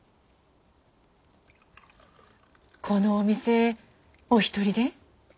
このお店お一人で？